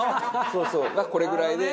そうそうだからこれぐらいで。